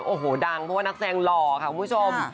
โอ้โหดังเพราะว่านักแสดงหล่อค่ะคุณผู้ชม